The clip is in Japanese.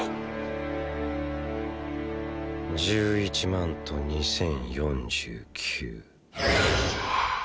１１万と２千４９。